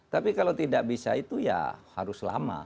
tapi kalau tidak bisa itu ya harus lama